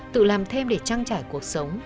tự làm thêm để trăng trải cuộc sống